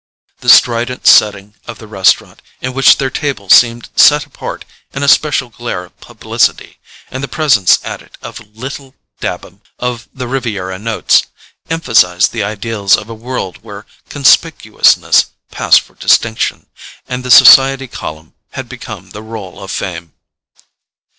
The strident setting of the restaurant, in which their table seemed set apart in a special glare of publicity, and the presence at it of little Dabham of the "Riviera Notes," emphasized the ideals of a world where conspicuousness passed for distinction, and the society column had become the roll of fame.